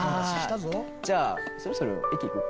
じゃあそろそろ駅行く？